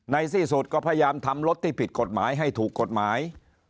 ที่สุดก็พยายามทำรถที่ผิดกฎหมายให้ถูกกฎหมาย